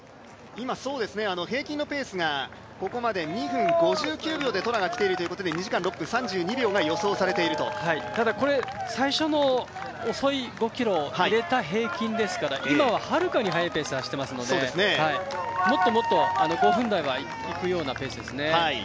平均のペースがここまで２分５９秒できているということでトラが来ているということで２時間６分３２秒が最初の遅い５ｋｍを入れた平均ですから、今ははるかに早いペースで走っていますからもっともっと５分台は行くようなペースですね。